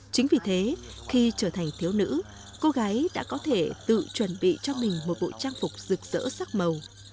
chính vì thế khi trở thành thiếu nữ cô gái đã có thể tự chuẩn bị cho mình một bộ trang phục rực rỡ sắc màu